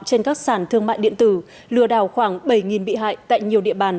trên các sản thương mại điện tử lừa đảo khoảng bảy bị hại tại nhiều địa bàn